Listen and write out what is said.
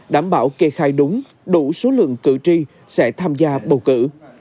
đảm bảo kê khai đúng đủ số lượng cử tri sẽ tham gia bầu cử